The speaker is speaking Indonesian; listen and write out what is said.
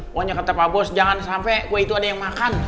pokoknya kata pak bos jangan sampai gue itu ada yang makan